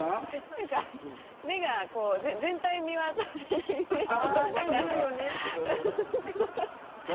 何か目が全体見渡せるイメージが言うよね